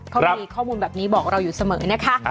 เขามีข้อมูลแบบนี้บอกเราอยู่เสมอนะคะ